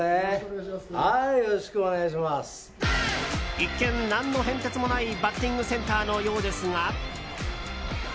一見、何の変哲もないバッティングセンターのようですが。